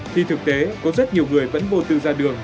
thì thực tế có rất nhiều người vẫn vô tư ra đường